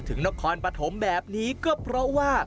ถึงนกคอนปฐมแบบนี้ก็เพราะว่า